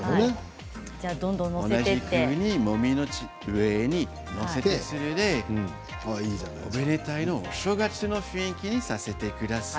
モミの上に載せておめでたいお正月の雰囲気にさせてください。